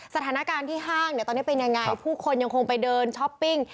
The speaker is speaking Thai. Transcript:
สถานการณ์ที่ห้างเนี่ยตอนนี้เป็นยังไงผู้คนยังคงไปเดินช้อปปิ้ง